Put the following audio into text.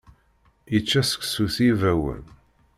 Yečča seksu s yibawen.